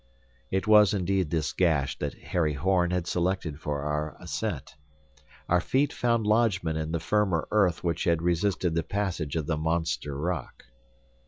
It was indeed this gash that Harry Horn had selected for our ascent. Our feet found lodgment in the firmer earth which had resisted the passage of the monster rock.